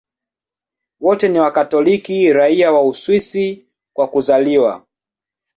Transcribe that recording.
Wote ni Wakatoliki raia wa Uswisi kwa kuzaliwa.